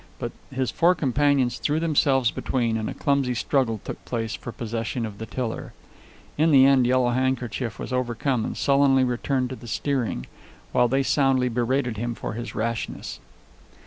But his four companions threw themselves between, and a clumsy struggle took place for possession of the tiller. In the end Yellow Handkerchief was overcome, and sullenly returned to the steering, while they soundly berated him for his rashness.